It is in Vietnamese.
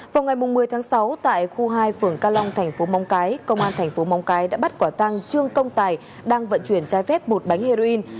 vào ngày một mươi tháng sáu tại khu hai phường ca long thành phố móng cái công an thành phố móng cái đã bắt quả tăng trương công tài đang vận chuyển trái phép một bánh heroin